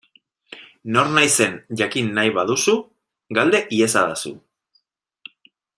Nor naizen jakin nahi baduzu, galde iezadazu.